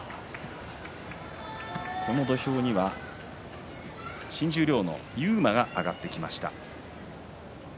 この土俵には新十両の勇磨が上がってきました。